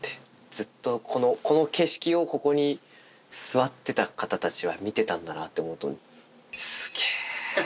ずっとこの景色を、ここに座ってた方たちは見てたんだなと思うと、すげー。